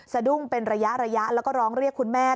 สะดุ้งเป็นระยะแล้วก็ร้องเรียกคุณแม่